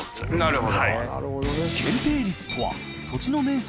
なるほど。